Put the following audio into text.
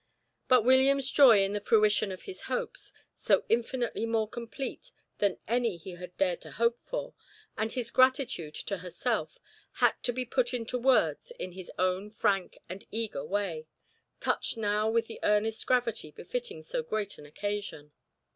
But William's joy in the fruition of his hopes, so infinitely more complete than any he had dared to hope for, and his gratitude to herself, had to be put into words in his own frank and eager way, touched now with the earnest gravity befitting so great an occasion.